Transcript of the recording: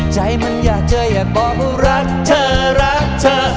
ใจมันอยากเจออยากบอกว่ารักเธอรักเธอ